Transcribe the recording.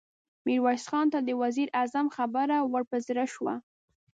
ميرويس خان ته د وزير اعظم خبره ور په زړه شوه.